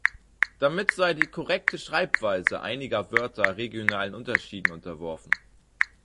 Damit sei die korrekte Schreibweise einiger Wörter regionalen Unterschieden unterworfen.